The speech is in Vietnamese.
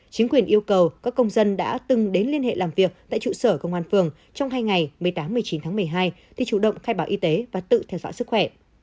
chính quyền yêu cầu các công dân đã từng đến liên hệ làm việc tại trụ sở công an phường trong hai ngày một mươi tám một mươi chín tháng một mươi hai thì chủ động khai báo y tế và tự theo dõi sức khỏe